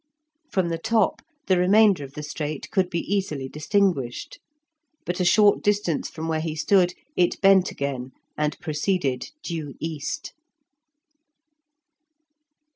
From the top, the remainder of the strait could be easily distinguished. But a short distance from where he stood, it bent again, and proceeded due east.